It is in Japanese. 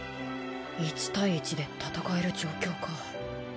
一対一で戦える状況か。